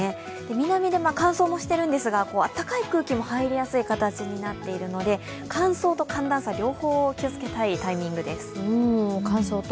南で乾燥もしてるんですが暖かい空気も入りやすい空気になっているので乾燥と寒暖差両方、気をつけたいタイミングです。